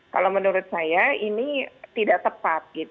kalau menurut saya ini tidak tepat